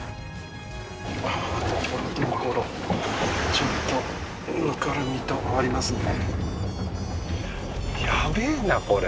ちょっとぬかるみとかありますね